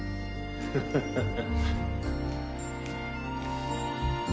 ハハハハ。